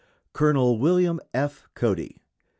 _Col. William F. Cody.